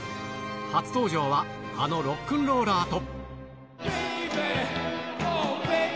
初登場はあのロックンローラーと。